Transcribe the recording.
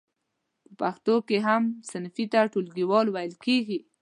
په پښتو کې هم صنفي ته ټولګیوال ویل کیږی.